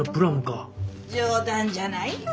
冗談じゃないよ